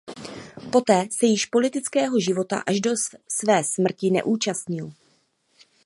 Poté se již politického života až do své smrti neúčastnil.